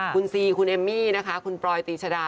คุณซีคุณเอมมี่นะคะคุณปลอยตีชดา